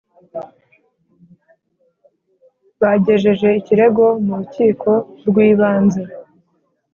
bagejeje ikirego mu rukiko rw’ibanze